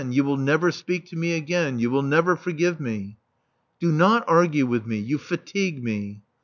You will never speak to me again. You will never forgive me." Do not argue with me. You fatigue me."